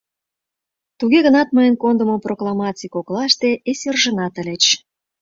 Туге гынат мыйын кондымо прокламаций коклаште эсержынат ыльыч.